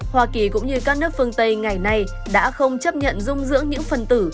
hoa kỳ cũng như các nước phương tây ngày nay đã không chấp nhận dung dưỡng những phần tử